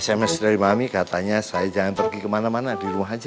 sms sudah memahami katanya saya jangan pergi kemana mana di rumah aja